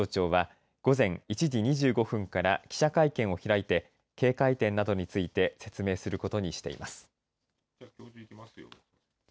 気象庁は午前１時２５分から記者会見を開いて警戒点などについて説明することにしています。